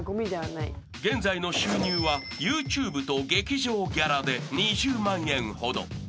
［現在の収入はＹｏｕＴｕｂｅと劇場ギャラで２０万円ほど］